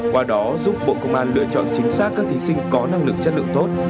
qua đó giúp bộ công an lựa chọn chính xác các thí sinh có năng lực chất lượng tốt